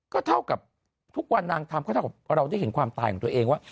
ก็เท่ากับทุกวันนางทำก็เท่ากับเราได้เห็นความตายของตัวเองว่า